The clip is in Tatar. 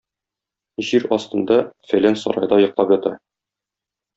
Җир астында, фәлән сарайда йоклап ята.